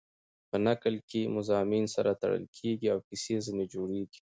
په نکل کښي مضامین سره تړل کېږي او کیسه ځیني جوړېږي.